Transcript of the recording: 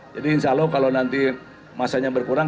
jadi insya allah kalau nanti masanya berkurang